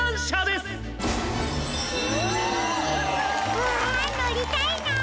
うわのりたいな。